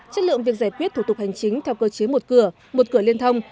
chất lượng việc giải quyết thủ tục hành chính theo cơ chế một cửa một cửa liên thông